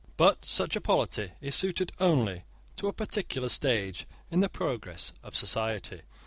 But such a polity is suited only to a particular stage in the progress of society.